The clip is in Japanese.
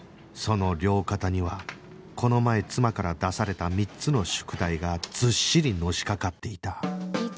その両肩にはこの前妻から出された３つの宿題がずっしりのしかかっていた